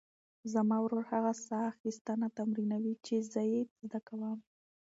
زما ورور هغه ساه اخیستنه تمرینوي چې زه یې زده کوم.